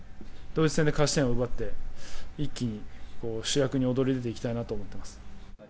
ドイツ戦で勝ち点を奪って、一気に主役に躍り出ていきたいなと思っています。